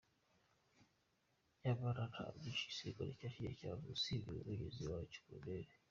Nyamara nta byinshi igisirikare cya Kenya cyavuze usibye Umuvugizi wacyo Col.